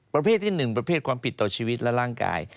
ประเภทที่๑ประเภทความผิดต่อชีวิตและร่างกาย